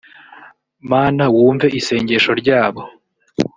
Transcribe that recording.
mana wumve isengesho ryabo